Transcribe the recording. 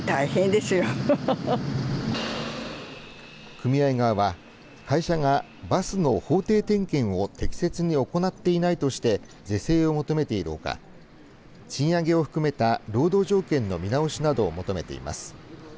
組合側は会社がバスの法定点検を適切に行っていないとして是正を求めているほか賃上げを含めた労働条件の見直しなどを求めています。